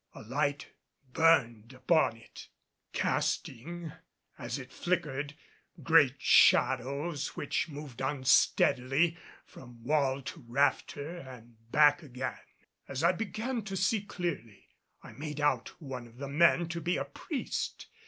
A light burned upon it, casting, as it flickered, great shadows which moved unsteadily from wall to rafter and back again. As I began to see clearly I made out one of the men to be a priest.